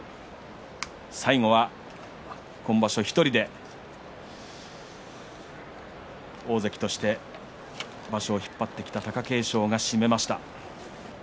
最後は今場所１人で大関として場所を引っ張ってきた貴景勝が締めました。